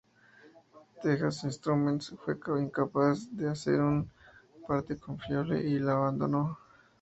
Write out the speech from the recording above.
Texas Instruments fue incapaz de hacer un parte confiable y lo abandonó.